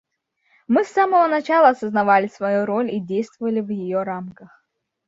Мы с самого начала осознавали свою роль и действовали в ее рамках.